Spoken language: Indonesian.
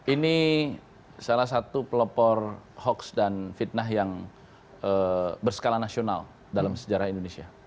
ini salah satu pelopor hoax dan fitnah yang berskala nasional dalam sejarah indonesia